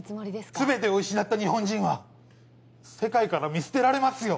全てを失った日本人は世界から見捨てられますよ